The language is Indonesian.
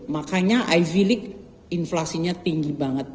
makanya i feel like inflasinya tinggi banget